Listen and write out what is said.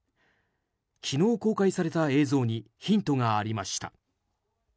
昨日公開された映像にヒントがありました。